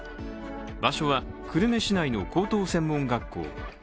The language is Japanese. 場所は久留米市内の高等専門学校。